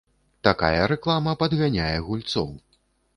Такая рэклама падганяе гульцоў.